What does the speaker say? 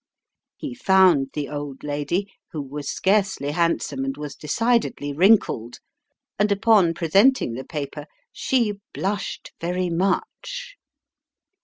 He found the old lady, who was scarcely handsome, and was decidedly wrinkled, and upon presenting the paper "she blushed very much."